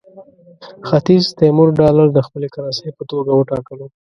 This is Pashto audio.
ختیځ تیمور ډالر د خپلې کرنسۍ په توګه وټاکلو.